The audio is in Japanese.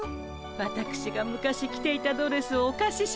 わたくしが昔着ていたドレスをおかししましたの。